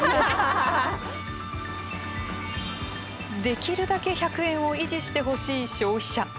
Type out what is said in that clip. できるだけ１００円を維持してほしい消費者。